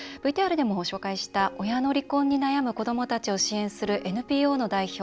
ＶＴＲでもご紹介した親の離婚に悩む子どもたちを支援するＮＰＯの代表